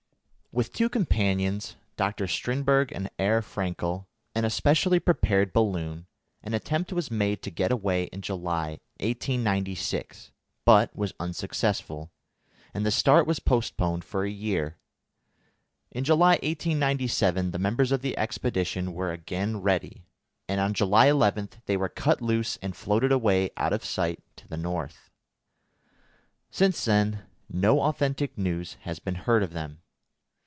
With two companions, Dr. Strindberg and Herr Fraenkel, and a specially prepared balloon, an attempt was made to get away in July 1896, but was unsuccessful, and the start was postponed for a year. In July 1897 the members of the expedition were again ready, and on July 11 they were cut loose and floated away out of sight to the North. Since then no authentic news has been heard of them.